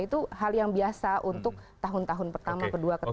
itu hal yang biasa untuk tahun tahun pertama kedua ketiga